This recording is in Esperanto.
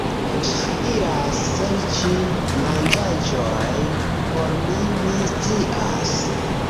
Ŝi iras serĉi manĝaĵojn por mi, mi scias